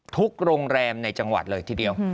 โรงแรมในจังหวัดเลยทีเดียว